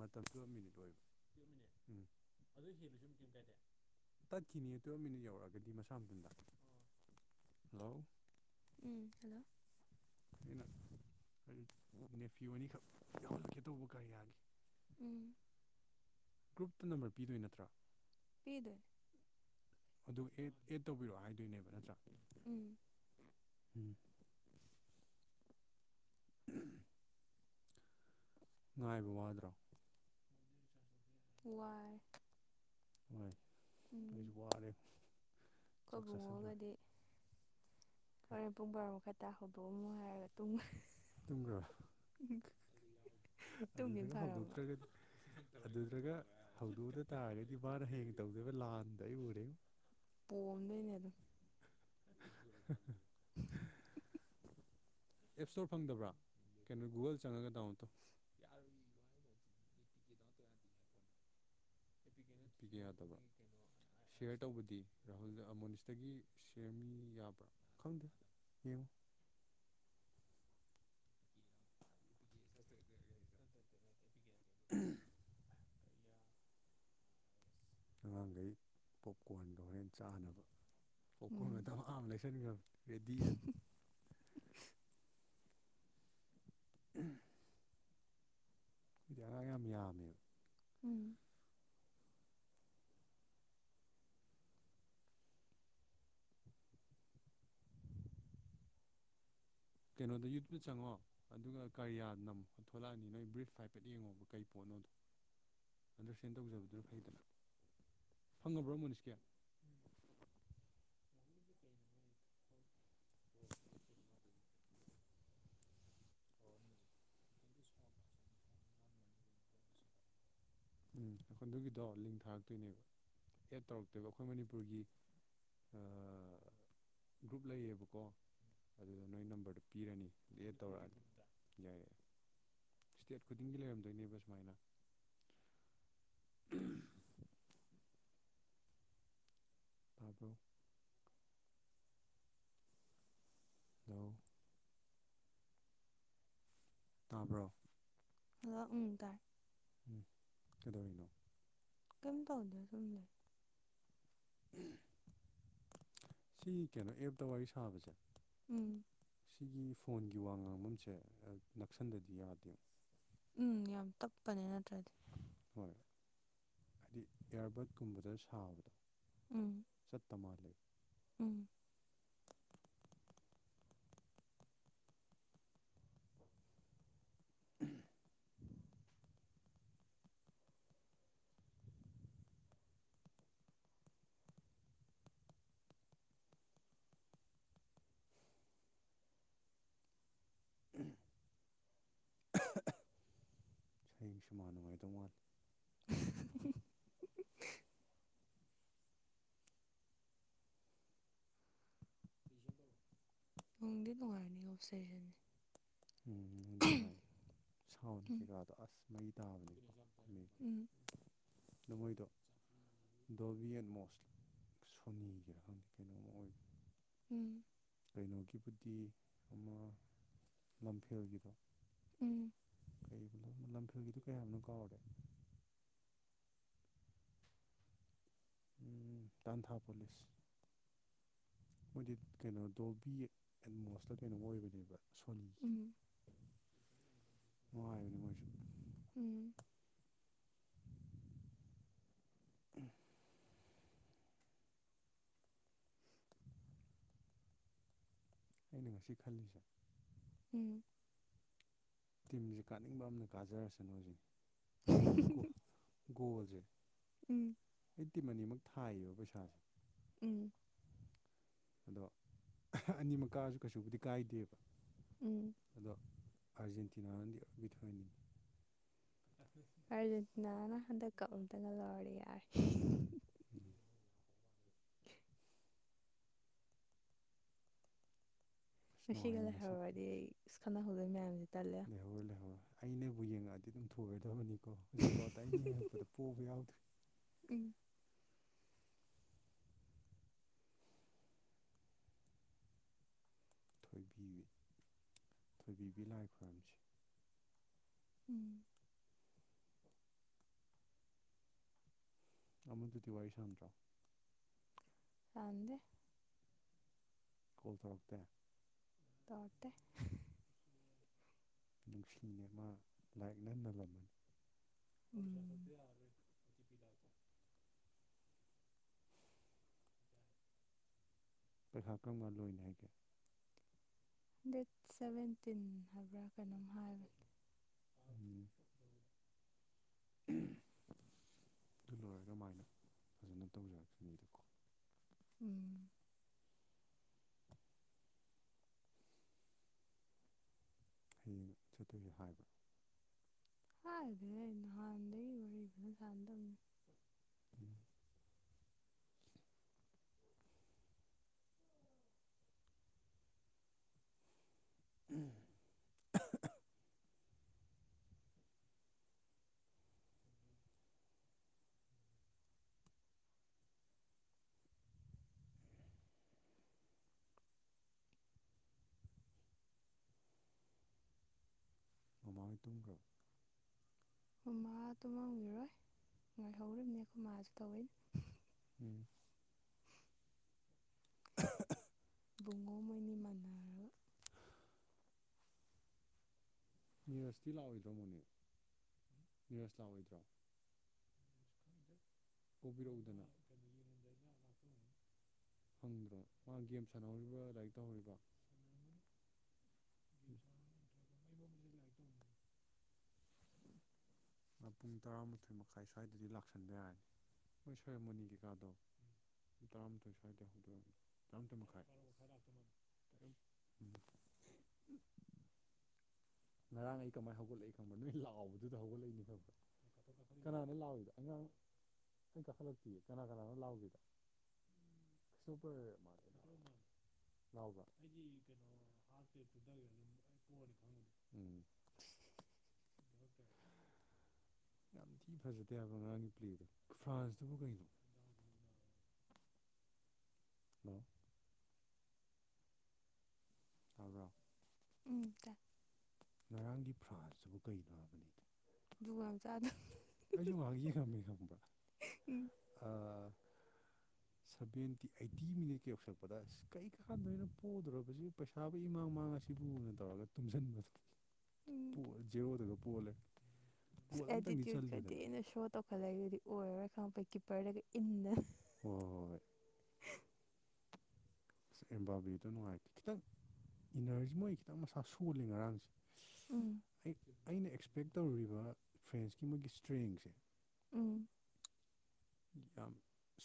ꯃꯇꯝ ꯇꯨ ꯃꯤꯅꯤ ꯑꯣꯏꯕ ꯇꯠꯈꯤꯅꯤ ꯇꯨꯋꯞ ꯃꯤꯅꯠ ꯌꯧꯔꯛꯑꯒꯗꯤ ꯃꯁꯥ ꯃꯊꯟꯗ ꯍꯜꯂꯣ ꯎꯝ ꯍꯜꯂꯣ ꯑꯩꯅ ꯅꯦꯄꯤꯤꯌꯣꯅꯤꯈꯛ ꯌꯥꯎꯍꯜꯂꯒꯦ ꯇꯧꯕ ꯀꯔꯤ ꯌꯥꯒꯤ ꯎꯝ ꯒ꯭ꯔꯨꯞꯇ ꯅꯝꯕꯔ ꯄꯤꯗꯣꯏ ꯅꯠꯇ꯭ꯔꯥ ꯄꯤꯗꯣꯏꯅꯤ ꯑꯗꯨ ꯑꯦ ꯑꯦꯗ ꯇꯧꯕꯤꯔꯛꯑꯣ ꯍꯥꯏꯗꯣꯏꯅꯦꯕ ꯅꯠꯇ꯭ꯔꯥ ꯎꯝ ꯎꯝ ꯉꯥꯏꯕ ꯋꯥꯗ꯭ꯔꯣ ꯋꯥꯏ ꯍꯣꯏ ꯑꯩꯁꯨ ꯋꯥꯔꯤꯔꯦ ꯈꯣꯏ ꯕꯨꯡꯉꯣꯒꯗꯤ ꯑꯣꯀꯦ ꯍꯣꯔꯦꯟ ꯄꯨꯡ [unintelligible] ꯍꯇꯥ ꯍꯧꯕ ꯑꯃ ꯍꯥꯏꯔꯒ ꯇꯨꯡ ꯇꯨꯝꯕ꯭ꯔꯣ ꯇꯨꯝꯈꯤꯕꯅ ꯑꯗꯨꯗꯨꯒ ꯐꯔꯕ ꯍꯧꯗꯣꯛꯇ꯭ꯔꯒꯗꯤ ꯑꯗꯨꯗꯨꯒ ꯍꯧꯗꯣꯛꯑꯗ ꯇꯥꯔꯒꯗꯤ ꯃꯥꯅ ꯍꯌꯦ ꯇꯧꯗꯕ ꯂꯥꯟꯗ ꯑꯩ ꯎꯔꯦ ꯄꯣꯝꯗꯣꯏꯅꯦ ꯑꯗꯨꯝ ꯎ [unintelligible] ꯑꯦꯞ ꯁ꯭ꯇꯣꯔ ꯐꯪꯗꯕ꯭ꯔꯥ ꯀꯩꯅꯣ ꯒꯨꯒꯜ ꯆꯪꯉꯒ ꯗꯥꯎꯟ ꯇꯧ ꯄꯤꯒ ꯌꯥꯗꯕ ꯁꯤꯌꯔ ꯇꯧꯕꯗꯤ ꯔꯥꯍꯨꯜꯗ ꯑꯃꯣꯅꯤꯁꯇꯒꯤ ꯁꯤꯌꯔ ꯃꯤ ꯌꯥꯕ꯭ꯔꯥ ꯈꯗ ꯌꯦꯉ [inaudible] ꯑꯉꯥꯡꯈꯩ ꯄꯣꯞꯀꯣꯔꯟꯗꯣ ꯍꯣꯔꯦꯟ ꯆꯥꯅꯕ ꯄꯣꯛꯈꯣꯏ ꯎꯝ ꯃꯇꯝ ꯑ ꯂꯩꯁꯟꯅꯤꯡꯈꯅꯤ ꯔꯦꯗꯤꯗ [unintelligible] ꯎꯝ ꯑꯗꯨꯗꯤ ꯑꯥꯡ ꯌꯥꯝꯃꯦꯕ ꯎꯝ ꯀꯩꯅꯣꯗ ꯌꯨꯠꯇꯨꯞꯇ ꯆꯪꯉꯣ ꯑꯗꯨꯒ ꯀꯔꯤꯌꯥꯗꯅꯝꯨ ꯊꯣꯛꯂꯛꯑꯅꯤ ꯅꯣꯏ ꯕ꯭ꯔꯤꯐ ꯍꯥꯏꯐꯦꯠ ꯌꯦꯡꯉꯣꯕ ꯀꯩ ꯄꯣꯠꯅꯣꯗꯣ ꯑꯟꯗꯔꯁꯇꯦꯟ ꯇꯧꯖꯕꯗꯨꯅ ꯐꯩꯗꯅ ꯐꯪꯉꯕ꯭ꯔꯣ ꯃꯣꯅꯤꯁꯀꯤꯌꯥ ꯎꯝ ꯑꯩꯈꯣꯏ ꯑꯗꯨꯒꯤꯗꯣ ꯂꯤꯡ ꯊꯥꯔꯛꯇꯣꯏꯅꯦꯕ ꯑꯦꯠ ꯇꯧꯔꯛꯇꯣꯏꯕ ꯑꯩꯈꯣꯏ ꯃꯅꯤꯄꯨꯔꯒꯤ ꯒ꯭ꯔꯨꯞ ꯂꯩꯌꯦꯕꯀꯣ ꯑꯗꯨꯗ ꯅꯣꯏ ꯅꯝꯕꯔꯗꯨꯣ ꯄꯤꯔꯅꯤ ꯑꯗꯨ ꯇꯧꯔꯛꯑꯅꯤ ꯌꯥꯏꯦ ꯌꯥꯏ ꯏꯁꯇꯦꯠ ꯈꯨꯗꯤꯡꯒꯤ ꯂꯩꯔꯝꯗꯣꯏꯅꯦꯕ ꯁꯨꯃꯥꯏꯅ ꯎꯝ ꯇꯕꯣ [unintelligible] ꯇꯥꯕ꯭ꯔꯣ ꯂ ꯎ ꯇꯥ ꯎꯝ ꯀꯩꯗꯧꯔꯤꯅꯣ ꯀꯩꯝ ꯇ ꯍꯗ ꯇꯝ ꯂꯩ ꯁꯤ ꯀꯩꯅꯣ ꯑꯦꯞꯇ ꯋꯥꯔꯤ ꯁꯥꯕꯁꯦ ꯎꯝ ꯁꯤꯒꯤ ꯐꯣꯟꯒꯤ ꯋꯥ ꯉꯥꯡꯐꯝꯁꯦ ꯅꯛꯁꯟꯗꯗꯤ ꯌꯥꯗꯦ ꯎꯝ ꯌꯥꯝ ꯇꯞꯄꯅꯦ ꯅꯠꯇ꯭ꯔꯗꯤ ꯍꯣꯏꯣꯏ ꯍꯥꯏꯗꯤ ꯏꯌꯥꯔꯕꯠꯀꯨꯝꯕꯗ ꯁꯥꯕꯗꯣ [unintelligible] ꯎꯝ ꯎꯝ ꯍꯌꯦꯡꯁꯨꯃꯥꯟ ꯉꯥꯏꯗꯧ ꯃꯥꯜꯂꯤ [inaudible] ꯅꯅꯨꯡꯗꯤ ꯅꯨꯡꯉꯥꯏꯔꯅꯤ ꯑꯣꯞꯁꯔꯦꯁꯟꯅꯦ ꯎꯝꯗꯤ ꯅꯨꯡꯉꯥꯏ ꯁꯥꯎꯟ ꯎꯝ ꯀꯩꯀꯥꯗꯣ ꯑꯁ ꯃꯩ ꯇꯥꯕꯅꯤ ꯎꯝ ꯅꯃꯣꯏꯗꯣ ꯗꯣꯕꯤꯌꯦꯟ ꯃꯣꯁ ꯁꯣꯅꯤꯒꯤꯔ ꯈꯪꯗꯦ ꯀꯩꯅꯣꯝ ꯑꯣꯏꯝ ꯎꯝ ꯀꯩꯅꯣꯒꯤꯕꯨꯗꯤ ꯑꯃ ꯂꯝꯐꯦꯜꯒꯤꯗꯣ ꯎꯝ [unintelligible] ꯂꯝꯐꯦꯜꯒꯤꯗꯨ ꯀꯌꯥꯅꯣ ꯀꯥꯎꯔꯦ ꯇꯥꯟꯊꯥ ꯄꯨꯂꯤꯁ ꯃꯣꯏꯗꯤ ꯀꯩꯅꯣ ꯗꯣꯜꯕꯤ ꯑꯦꯠꯃꯣꯁꯇꯔ ꯀꯩꯅꯣꯃ ꯑꯣꯏꯕꯅꯦꯕ ꯎꯝ ꯅꯨꯡꯉꯥꯏꯕꯅꯤ ꯃꯣꯏꯁꯨ [inaudible] ꯎꯝ ꯑꯩꯅ ꯉꯁꯤ ꯈꯜꯂꯤꯁꯦ ꯎꯝ ꯇꯤꯝꯁꯦ ꯀꯥꯅꯤꯡꯕ ꯑꯝꯅ ꯀꯥꯖꯔꯁꯅꯣꯁꯤꯅꯤ ꯑꯗꯣ ꯒꯣꯜꯁꯦ ꯎꯝ [unintelligible] ꯃꯅꯤꯃꯛ ꯊꯥꯏꯌꯦꯕ ꯄꯩꯁꯥꯁꯦ ꯎꯝ ꯑꯗꯣ ꯑꯅꯤ ꯃꯛ ꯀꯥꯔꯁꯨ ꯀꯩꯁꯨꯕꯨꯗꯤ ꯀꯥꯏꯗꯦꯕ ꯎꯝ ꯑꯗꯣ ꯑꯔꯖꯦꯟꯇꯅꯥꯗꯤ [unintelligible] ꯑꯥꯔꯖꯦꯟꯇꯤꯅꯥꯅ ꯍꯟꯗꯛ ꯀꯞ ꯑꯃꯇꯒ ꯂꯧꯔꯗꯤ ꯌꯥꯔꯦ [inaudible] ꯑꯁ ꯉꯁꯤꯒ ꯅꯨꯡꯉꯥꯏꯅꯤ ꯉꯁꯤ ꯂꯩꯍꯧꯔꯗꯤ ꯄ꯭ꯂꯦꯁꯦ ꯑꯁ ꯈꯠꯅꯍꯧꯗꯣꯏ ꯃꯌꯥꯝꯁꯦ ꯇꯜꯂꯦ ꯂꯩꯍꯧꯔꯣꯏ ꯂꯩꯍꯧꯔꯣꯏ ꯑꯩꯅꯕꯨ ꯌꯦꯡꯉꯛꯑꯗꯤ ꯑꯗꯨꯝ ꯊꯣꯏꯔꯗꯕꯅꯤꯀꯣ ꯍꯧꯖꯤꯛꯐꯥꯎꯗ ꯑꯩꯅ ꯌꯦꯡꯉꯛꯄꯗ ꯄꯣꯕ ꯌꯥꯎꯗ꯭ꯔꯦ ꯎꯝ ꯊꯣꯏꯕꯤꯕꯤ ꯊꯣꯏꯕꯤꯕꯤ ꯂꯥꯏ ꯈꯨꯔꯝꯁꯦ ꯎꯝ ꯑꯃꯗꯨꯗꯤ ꯋꯥꯔꯤ ꯁꯥꯟꯗ꯭ꯔꯣ ꯁꯥꯟꯗꯦ ꯀꯣꯜ ꯇꯧꯔꯛꯇꯦ ꯇꯧꯔꯛꯇꯦ ꯅꯨꯡꯁꯤꯅꯦ ꯃꯥ ꯂꯥꯏꯛꯅ ꯅꯂꯝꯃꯅꯤ ꯎꯝ ꯄꯩꯈꯥ ꯀꯔꯝ ꯀꯟ ꯂꯣꯏꯅꯤ ꯍꯥꯏꯒꯦ ꯗꯦꯠ ꯁꯚꯦꯟꯇꯤꯟ ꯍꯥꯏꯕ꯭ꯔꯥ ꯀꯩꯅꯣꯝ ꯎꯝ [inaudible] ꯑꯗꯨ ꯂꯣꯏꯔꯒꯃꯥꯏꯅ ꯐꯖꯅ ꯇꯧꯖꯔꯛꯁꯥꯅꯤꯗꯀꯣ ꯎꯝ ꯍꯌꯦꯡ ꯆꯠꯇꯣꯏ ꯍꯥꯏꯕ ꯍꯥꯢꯗꯦꯍꯦ ꯅꯥꯍꯟꯗꯩ ꯋꯥꯔꯤ ꯐꯖꯟ ꯁꯟꯗꯃꯦ ꯎꯝ ꯎꯝ [unintelligible] ꯃꯃꯥꯍꯣꯏ ꯇꯨꯝꯈ꯭ꯔꯕꯣ ꯃꯃꯥ ꯇꯨꯝꯃꯝꯈꯤꯔꯣꯏ ꯉꯥꯏꯍꯧꯔꯤꯝꯅꯦ ꯈꯣꯏ ꯃꯥꯁꯨ ꯇꯧꯋꯦꯏꯅ [inaudible] [unintelligible] ꯨꯕꯨꯡꯉꯣ ꯃꯣꯏꯅꯤ ꯃꯅꯥꯔ ꯅꯤꯔꯁꯇꯤ ꯂꯥꯛꯑꯣꯏꯗ꯭ꯔꯣ ꯃꯣꯅꯦ ꯅꯤꯔꯁ ꯂꯥꯛꯑꯣꯏꯗ꯭ꯔꯣ ꯄꯨꯕꯤꯔꯛꯎꯗꯅ ꯐꯪꯗ꯭ꯔꯣ ꯃꯥ ꯒꯦꯝ ꯁꯥꯟꯅꯍꯧꯔꯤꯕ ꯂꯥꯏꯔꯤꯛ ꯇꯧꯍꯧꯔꯤꯕ [inaudible] ꯄꯨꯡ ꯇꯔꯥꯃꯥꯊꯣꯏ ꯃꯈꯥꯏ ꯁ꯭ꯋꯥꯏꯗꯗꯤ ꯂꯥꯛꯁꯟꯕ ꯌꯥꯔꯅꯤ ꯃꯣꯏ ꯁꯦꯔꯥꯃꯣꯅꯤ ꯀꯩꯀꯥꯗꯣ ꯇꯔꯥꯃꯥꯊꯣꯏ ꯁ꯭ꯋꯥꯏꯗ ꯍꯧꯗ ꯇꯔꯥꯃꯥꯊꯣꯏ ꯃꯈꯥꯏ ꯎꯝ ꯉꯔꯥꯡ ꯑꯩ ꯀꯃꯥꯏꯅ ꯍꯧꯒꯠꯂꯛꯏ ꯈꯪꯕꯣ ꯅꯣꯏ ꯂꯥꯛꯥꯎꯕꯗꯨꯗ ꯍꯧꯒꯠꯂꯛꯏꯅꯤ ꯈꯪ꯭ꯔꯥ ꯀꯅꯥꯅ ꯂꯥꯎꯏꯗ ꯑꯉꯥꯡ ꯑꯩ ꯀꯥꯈꯠꯂꯛꯇꯒ ꯀꯅꯥ ꯀꯅꯥꯅ ꯂꯥꯎꯒꯗ ꯁꯄꯔ ꯃꯥ ꯉꯕ ꯎꯝ ꯌꯥꯝ ꯊꯤ ꯐꯖꯗꯦ ꯍꯥꯏꯕ ꯑꯉꯥꯡꯒꯤ ꯄ꯭ꯂꯦꯗꯣ ꯐ꯭ꯔꯥꯟꯁꯇꯨꯕꯨ ꯀꯩꯅꯣ [unintelligible] ꯇꯕ꯭ꯔꯣ ꯎꯝ ꯇꯥꯏ ꯉꯔꯥꯡꯒꯤ ꯐ꯭ꯔꯥꯟꯁꯇꯨꯕꯨ ꯀꯩꯅꯣ ꯍꯥꯏꯕꯅꯤꯗ ꯖꯨꯒꯣꯠ ꯌꯥꯝ ꯆꯥꯗꯝꯃꯦ ꯑꯩꯁꯨ ꯉꯥꯏꯍꯥꯛ ꯌꯦꯡꯉꯝꯃꯦ ꯈꯪꯕ꯭ꯔꯥ [inaudible] ꯑꯥ ꯁꯚꯦꯟꯇꯤ ꯑꯩꯠꯇꯤ ꯃꯤꯅꯤꯠꯀ ꯌꯧꯁꯜꯂꯛꯄꯗ ꯑꯁ ꯀꯩꯀꯥꯟꯗꯣꯏꯅꯣ ꯄꯣꯗꯣꯔꯕꯁꯤ ꯄꯩꯁꯥ ꯄꯩꯁꯥꯥꯕꯨ ꯏꯃꯥꯡ ꯃꯥꯡꯉꯁꯤꯕꯨꯅ ꯇꯧꯔꯒ ꯇꯨꯝꯁꯟꯕꯗꯣ ꯎꯝ [unintelligible] ꯖꯦꯔꯣꯗꯒ ꯄꯣ__ ꯑꯦꯇꯤꯇ꯭ꯌꯨꯠꯀ ꯊꯤꯅꯥ ꯁꯣ ꯇꯧꯈꯠꯂꯛꯏꯗꯨꯗꯤ ꯑꯣꯏꯔꯔꯣꯏ ꯈꯪꯉꯛꯄꯩ ꯀꯤꯞꯄꯔꯗꯒ ꯏꯟꯗꯅ ꯍꯣꯏ ꯍꯣꯏ ꯍꯣꯏ ꯑꯁ ꯑꯦꯝꯕꯥꯕꯤꯗꯣ ꯅꯨꯡꯉꯥꯏꯇꯦ ꯈꯤꯇꯪ ꯏꯅꯔꯖꯤ ꯃꯣꯏ ꯈꯤꯇꯪ ꯃꯁꯥ ꯁꯣꯜꯂꯤ ꯉꯔꯥꯡꯁꯦ ꯎꯝ ꯑꯩ ꯑꯩꯅ ꯑꯦꯛꯁꯄꯦꯛ ꯇꯧꯔꯨꯔꯤꯕ ꯐ꯭ꯔꯦꯟꯁꯀꯤ ꯃꯣꯏꯒꯤ ꯏꯁꯇ꯭ꯔꯦꯡꯁꯦ ꯎꯝ ꯌꯥꯝ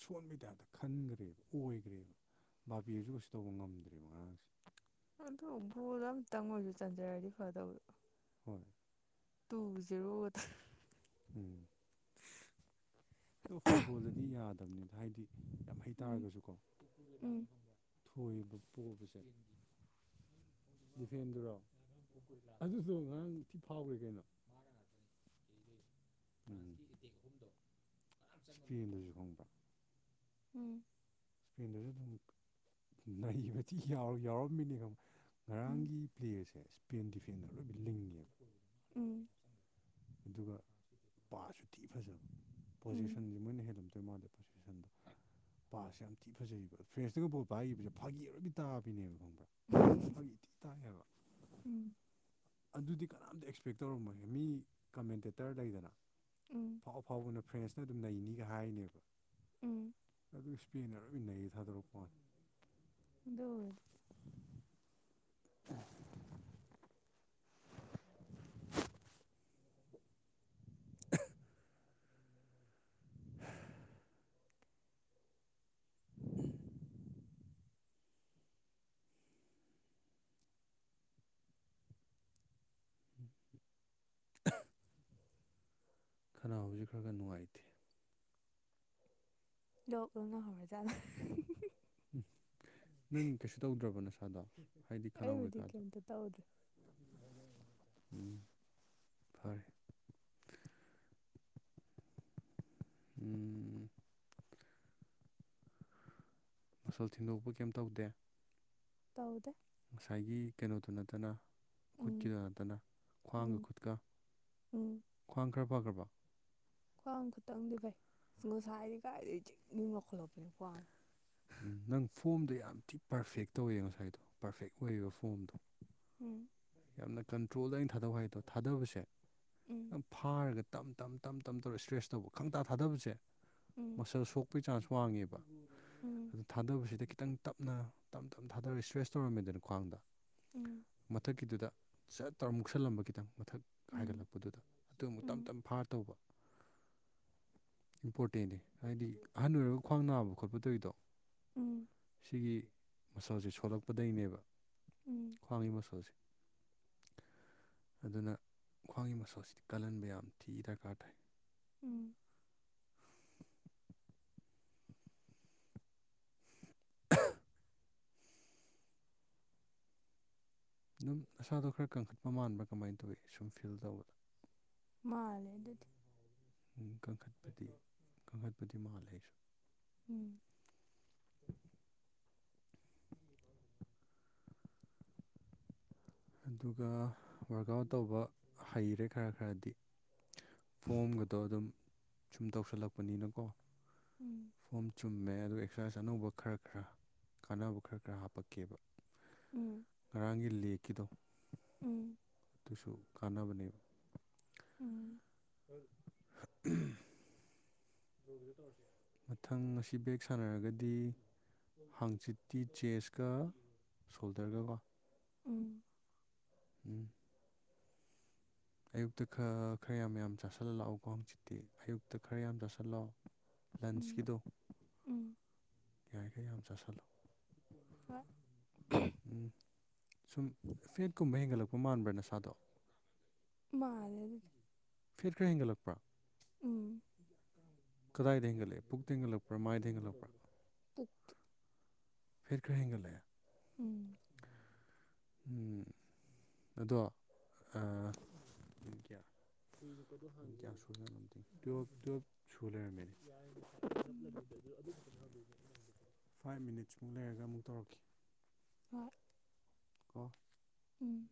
ꯁꯣꯟꯕꯗꯞꯇ ꯈꯟꯈ꯭ꯔꯦꯕ ꯑꯣꯏꯈ꯭ꯔꯦꯕ ꯕꯥꯥꯕꯤꯗꯨꯁꯨ ꯀꯩꯁꯨ ꯇꯧꯕ ꯉꯝꯗ꯭ꯔꯤꯕ ꯑꯉꯥꯡꯁꯦ ꯑꯗꯨ ꯕꯨꯨꯗꯣ ꯑꯝꯇꯪ ꯑꯣꯏꯁꯨ ꯆꯟꯖꯔꯗꯤ ꯐꯗꯕꯗꯣ ꯍꯣꯏꯅꯦ ꯇꯨ ꯖꯔꯣ ꯎꯝ ꯑꯗꯣ ꯐꯨꯠꯕꯣꯜꯗꯗꯤ ꯌꯥꯗꯕꯅꯤꯗ ꯍꯥꯏꯗꯤ ꯌꯥꯝ ꯎꯝ ꯍꯩꯇꯥꯥꯔꯒꯁꯨꯀꯣ ꯎꯝ ꯊꯣꯏꯕ ꯄꯣꯕꯁꯦ ꯗꯤꯐꯦꯟꯗꯨꯔꯣ ꯑꯗꯨꯁꯨ ꯉꯔꯥꯡ ꯊꯤ ꯐꯥꯎꯈ꯭ꯔꯦ ꯀꯩꯅꯣ ꯎꯝ ꯏꯁꯄꯦꯟꯗꯁꯨ ꯍꯣꯡꯕ꯭ꯔ ꯎꯝ ꯐꯦꯟꯗꯨꯁꯨ ꯑꯗꯨꯝ ꯅꯩꯕꯗꯤ ꯌꯥꯎꯔꯝꯃꯤꯅꯤ ꯎꯝ ꯉꯔꯥꯡꯒꯤ ꯄ꯭ꯂꯦꯌꯔꯁꯦ ꯁ꯭ꯄꯦꯟ ꯗꯤꯐꯦꯟꯗꯔ ꯂꯣꯏ ꯂꯤꯡꯉꯦꯕ ꯎꯝ ꯑꯗꯨꯒ ꯄꯥꯁꯨ ꯊꯤ ꯐꯖꯕ ꯄꯣꯖꯦꯁꯟꯁꯦ ꯃꯣꯏꯅ ꯍꯦꯜꯂꯝ ꯇꯣꯏ ꯃꯥꯗꯣ [unintelligible] ꯄꯥꯁꯦ ꯌꯥꯝ ꯊꯤ ꯐꯖꯩꯌꯦꯕ ꯐ꯭ꯔꯦꯁꯇꯒ ꯄꯣꯠ ꯄ ꯍꯥꯏꯈꯤꯕꯁꯦ ꯐꯥꯒꯤꯔꯣꯏꯗꯤ ꯇꯥꯕꯅꯦꯕ ꯈꯪꯗꯦ ꯎꯝ ꯐꯩꯗꯤ ꯇꯥꯏꯌꯦꯕ ꯎꯝ ꯑꯗꯨꯗꯤ ꯀꯅꯥꯝꯇ ꯑꯦꯛꯁꯄꯦꯛ ꯇꯧꯔꯝꯃꯒ ꯃꯤ ꯀꯃꯦꯟꯇꯦꯇꯔ ꯂꯩꯗꯅ ꯎꯝ ꯑꯥꯎ ꯑꯐꯥꯎꯕꯅ ꯐ꯭ꯔꯦꯟꯁꯅ ꯑꯗꯨꯝ ꯅꯩꯅꯤꯒ ꯍꯥꯏꯅꯦꯕ ꯎꯝ ꯑꯗꯨ ꯏꯁ꯭ꯄꯦꯟꯅꯔ ꯑꯣꯏꯅꯟꯅꯩ ꯊꯥꯗꯣꯔꯛꯄꯅꯤ ꯗ ꯑ ꯀꯅꯥ ꯍꯧꯖꯤꯛ ꯈꯔ ꯈꯔ ꯅꯨꯡꯉꯥꯏꯇꯦ ꯂꯣꯛꯒꯅ ꯍꯧꯔꯖ ꯎꯝ ꯅꯪ ꯀꯩꯁꯨ ꯇꯧꯗ꯭ꯔꯕ ꯅꯁꯥꯗ ꯍꯥꯏꯗꯤ ꯈꯅꯥꯎ ꯑꯩꯕꯨꯗꯤ ꯀꯩꯀꯥꯗ ꯀꯩꯝꯇ ꯇꯧꯗ꯭ꯔꯦ ꯎꯝ ꯐꯔꯦ [unintelligible] ꯎꯝ ꯃꯁꯜ ꯊꯤꯟꯗꯣꯛꯄ ꯀꯩꯝ ꯇꯧꯗꯦ ꯇꯗ ꯉꯁꯥꯏꯒꯤ ꯀꯩꯅꯣꯗꯨ ꯅꯠꯇꯅ ꯎꯝ ꯈꯨꯠꯀꯤꯗ ꯅꯠꯇꯅ ꯈ꯭ꯋꯥꯡꯒ ꯎꯝ ꯈꯨꯠꯀ ꯎꯝ ꯈ꯭ꯋꯥꯡ ꯈꯔ ꯐꯈ꯭ꯔꯕꯣ ꯈ꯭ꯋꯥꯡ ꯈꯇꯪꯗꯤ ꯐꯩ ꯁꯤ ꯉꯥꯁꯥꯏꯗꯤ ꯀꯥꯏꯗꯩ ꯖꯤꯡ ꯖꯤꯡ ꯂꯥꯎꯈꯠꯔꯛꯇꯅ ꯈ꯭ꯋꯥꯡ ꯎꯝ ꯅꯪ ꯐꯣꯝꯗꯣ ꯌꯥꯝ ꯊꯤ ꯄꯔꯐꯦꯛ ꯇꯧꯋꯦ ꯉꯁꯥꯏꯗꯣ ꯄꯔꯐꯦꯛ ꯑꯣꯏꯕ ꯐꯣꯝꯗꯣ ꯎꯝ ꯌꯥꯝꯅ ꯀꯟꯇ꯭ꯔꯣꯜꯗ ꯑꯩꯅ ꯊꯥꯗꯧ ꯍꯥꯏꯗꯣ ꯎꯝ ꯊꯥꯗꯕꯁꯦꯈꯤ ꯐꯥꯔꯒ ꯇꯝ ꯇ ꯇꯝ ꯇ ꯇꯧꯔ ꯏꯁꯇ꯭ꯔꯦꯁ ꯇꯧꯕ ꯈꯪꯇꯥ ꯊꯥꯗꯕꯁꯦ ꯎꯝ ꯃꯁꯜ ꯁꯣꯛ [unintelligible] ꯆꯥꯟꯁ ꯋꯥꯡꯉꯦꯕ ꯎꯝ ꯑꯗꯨ ꯊꯥꯗꯕꯁꯤꯗ ꯈꯤꯇꯪ ꯇꯞꯅ ꯇꯞ ꯇꯞ ꯊꯥꯗꯔꯒ ꯏꯁꯇ꯭ꯔꯦꯁ ꯇꯧꯔꯝꯃꯦꯗꯅ ꯈ꯭ꯋꯥꯡꯗ ꯎꯝ ꯃꯊꯛ ꯀꯤꯗꯨꯗ ꯁꯠ ꯇꯧꯔ ꯃꯨꯛꯁꯜꯂꯝꯕ ꯈꯤꯇꯪ ꯃꯊꯛ ꯎꯝ ꯍꯥꯏꯒꯠꯂꯛꯄꯗꯨꯗ ꯑꯗꯨ ꯑꯃꯨꯛ ꯇꯞ ꯎꯝ ꯇꯞ ꯐꯥꯔ ꯇꯧꯕ ꯏꯝꯄꯣꯔꯇꯦꯟꯅꯦ ꯍꯥꯏꯗꯤ ꯑꯍꯟ ꯑꯣꯏꯔꯕ ꯈ꯭ꯋꯥꯡ ꯅꯥꯕ ꯈꯣꯠꯄ ꯇꯧꯔꯤꯗꯣ ꯎꯝ ꯁꯤꯒꯤ ꯃꯁꯜꯁꯦ ꯁꯣꯜꯂꯛꯄꯗꯒꯤꯅꯦꯕ ꯎꯝ ꯈ꯭ꯋꯥꯡꯒꯤ ꯃꯁꯜꯁꯦ ꯑꯗꯨꯅ ꯈ꯭ꯋꯥꯡꯒꯤ ꯃꯁꯜꯁꯤꯗꯤ ꯀꯜꯍꯟꯕ ꯌꯥꯝ ꯊꯤ ꯗꯔꯀꯥꯔ ꯇꯥꯏ ꯎꯝ [unintelligible] ꯑꯗꯨꯝ ꯅꯁꯥꯗꯣ ꯈꯔ ꯀꯟꯈꯠꯄ ꯃꯥꯟꯕꯥ ꯀꯃꯥꯏꯅ ꯇꯧꯋꯤ ꯁꯨꯝ ꯐꯤꯜ ꯇꯧꯕꯗ ꯃꯥꯂꯦ ꯑꯗꯨꯗꯤ ꯀꯟꯈꯠꯄꯗꯤ ꯀꯟꯈꯠꯄꯗꯤ ꯃꯥꯜꯂꯦꯁꯨ ꯑꯩꯁꯨ ꯎꯝ ꯑꯗꯨꯒ ꯋꯥꯔꯛ ꯑꯥꯎꯠ ꯇꯧꯕ ꯍꯩꯔꯦ ꯈꯔ ꯈꯔꯗꯤ ꯐꯣꯝꯒꯗꯣ ꯑꯗꯨꯝ ꯁꯨꯝ ꯇꯧꯁꯜꯂꯛꯄꯅꯤꯅꯀꯣ ꯎꯝ ꯐꯣꯝ ꯆꯨꯝꯃꯦ ꯑꯗꯨꯒ ꯑꯦꯛꯁꯔꯁꯥꯏꯁ ꯑꯅꯧꯕ ꯈꯔ ꯈꯔ ꯀꯥꯟꯅꯕ ꯈꯔ ꯈꯔ ꯍꯥꯞꯄꯛꯀꯦꯕ ꯎꯝ ꯉꯔꯥꯡꯒꯤ ꯂꯦꯛꯀꯤꯗꯣ ꯎꯝ ꯑꯗꯨꯁꯨ ꯀꯥꯟꯅꯕꯅꯦꯕ ꯎꯝ [unintelligible] ꯃꯊꯪ ꯑꯁꯤ ꯕꯦꯛ ꯁꯥꯟꯅꯔꯒꯗꯤ ꯍꯥꯡꯆꯤꯠꯇꯤ ꯆꯦꯁꯀ ꯁꯣꯜꯗꯔꯒꯀꯣ ꯎꯝ ꯎꯝ ꯑꯌꯨꯛꯇ ꯈꯔ ꯈꯔ ꯌꯥꯝ ꯌꯥꯝ ꯆꯥꯁꯤꯜꯂ ꯂꯛꯑꯣꯀꯣ ꯍꯪꯆꯤꯠꯇꯤ ꯑꯌꯨꯛꯇ ꯈꯔ ꯌꯥꯝ ꯆꯥꯁꯜꯂꯣ ꯎꯝ ꯂꯟꯁꯀꯤꯗꯣ ꯎꯝ ꯌꯥꯔꯤꯈꯩ ꯌꯥꯝ ꯆꯥꯥꯁꯜꯂꯣ ꯍꯣꯏ ꯎꯝ ꯁꯨꯝ ꯐꯦꯠꯀꯨꯝꯕ ꯍꯦꯟꯒꯠꯂꯛꯄ ꯃꯥꯟꯕ꯭ꯔꯥ ꯅꯁꯥꯗꯣ ꯃꯥꯔꯦ ꯑꯗꯨꯗꯣ ꯐꯦꯠ ꯈꯔ ꯍꯦꯟꯒꯠꯂꯛꯄꯥ ꯎꯝ ꯀꯗꯥꯗ ꯍꯦꯟꯒꯠꯂꯦ ꯄꯨꯛꯇ ꯍꯦꯟꯒꯠꯂꯛꯄꯥ ꯃꯥꯏꯗ ꯍꯦꯟꯠꯂꯛꯄꯥ ꯄꯨꯛ ꯐꯦꯠ ꯈꯔꯥ ꯍꯦꯟꯒꯠꯔꯛꯑꯦ ꯎꯝ ꯎꯝ [inaudible] ꯑꯗꯣ ꯑꯥ [inaudible] ꯀꯌꯥ ꯁꯨꯕ ꯎꯝ [unintelligible] ꯐꯥꯏꯚ ꯃꯤꯅꯤꯠꯁꯃꯨꯛ ꯂꯩꯔꯒ ꯑꯃꯨꯛ ꯇꯧꯔꯛꯀꯦ ꯍꯣꯏ ꯀꯣ ꯎꯝ